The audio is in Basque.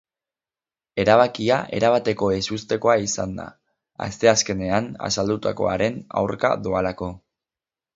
Erabakia erabateko ezustekoa izan da, asteazkenean azaldutakoaren aurka doalako.